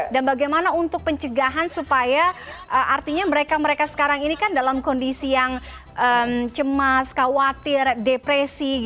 dan bagaimana untuk pencegahan supaya artinya mereka mereka sekarang ini kan dalam kondisi yang cemas khawatir depresi